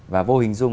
và vô hình dung